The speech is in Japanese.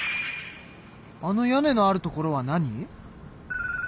あの屋根のあるところは何？